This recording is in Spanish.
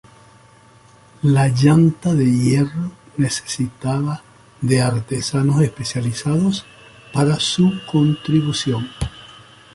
La llanta de hierro necesitaba de artesanos especializados para su colocación.